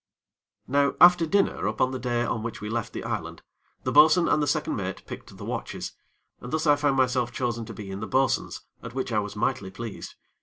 Now after dinner upon the day on which we left the island, the bo'sun and the second mate picked the watches, and thus I found myself chosen to be in the bo'sun's, at which I was mightly pleased.